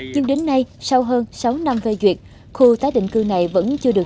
nhưng đến nay sau hơn sáu năm phê duyệt khu tái định cư này vẫn chưa được